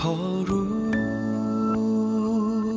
สวัสดีครับ